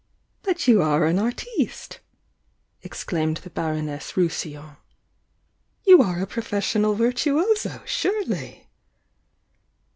"But /ou are an artiste!" exclaimed the Baroness Rousillon. "You are a professional virtuoso, surely?"